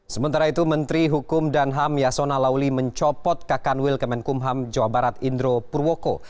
sementara itu menteri hukum dan ham yasona lauli mencopot kakanwil kemenkumham jawa barat indro purwoko